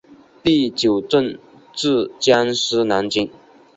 第九镇驻江苏南京。